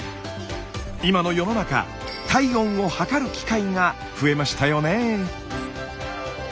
今の世の中体温を測る機会が増えましたよね。